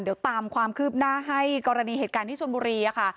เดี๋ยวตามความคืบหน้าให้กรณีเหตุการณ์ที่ชนบุรีค่ะ